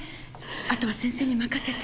あとは先生に任せて。